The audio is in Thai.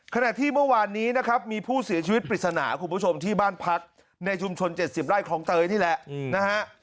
ขณะที่เมื่อวานนี้นะครับมีผู้เสียชีวิตปริศนาคุณผู้ชมที่บ้านพักในชุมชน๗๐ไร่ของเตยนี่แหละนะฮะ